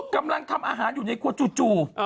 กำลังทำอาหารอยู่ในครัวจู่